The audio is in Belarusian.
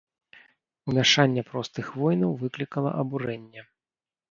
Умяшанне простых воінаў выклікала абурэнне.